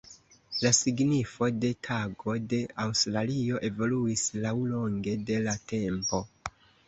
La signifo de Tago de Aŭstralio evoluis laŭlonge de la tempo.